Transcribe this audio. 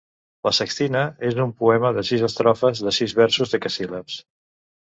La sextina és un poema de sis estrofes de sis versos decasíl·labs.